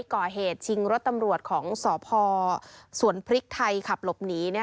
ก่อเหตุชิงรถตำรวจของสพสวนพริกไทยขับหลบหนี